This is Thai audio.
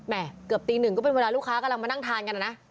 เกือบตีหนึ่งก็เป็นเวลาลูกค้ากำลังมานั่งทานกันนะ